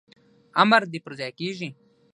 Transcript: امر دي پرځای کیږي